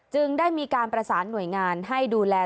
จึงได้มีการประสานหน่วยงานให้ดูแล